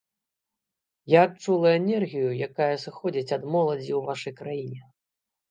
Я адчула энергію, якая сыходзіць ад моладзі ў вашай краіне.